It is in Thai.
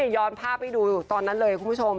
ย้อนภาพให้ดูตอนนั้นเลยคุณผู้ชม